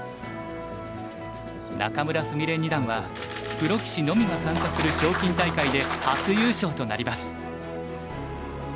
仲邑菫二段はプロ棋士のみが参加する賞金大会で初優勝となります。